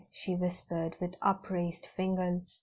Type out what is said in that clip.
she whispered, with upraised finger.